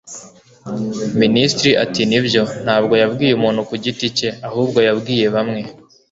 minisitiri ati 'nibyo,' ntabwo yabwiye umuntu ku giti cye, ahubwo yabwiye bamwe